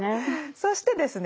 そしてですね